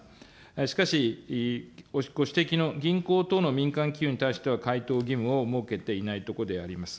しかし、ご指摘の銀行等の民間企業に対しては、回答義務を設けていないところであります。